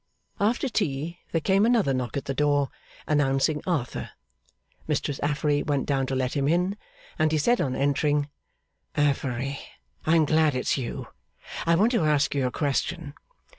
After tea there came another knock at the door, announcing Arthur. Mistress Affery went down to let him in, and he said on entering, 'Affery, I am glad it's you. I want to ask you a question.